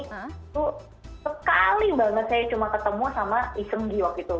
itu sekali banget saya cuma ketemu sama ism giwak itu